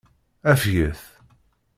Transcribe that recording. Afget.